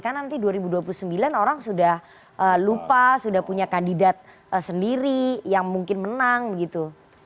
karena nanti dua ribu dua puluh sembilan orang sudah lupa sudah punya kandidat sendiri yang mungkin menang begitu